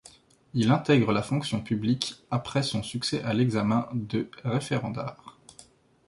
Il intègre la fonction publique après son succès à l'examen de Referendar.